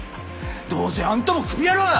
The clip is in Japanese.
どうせあんたもクビやろが！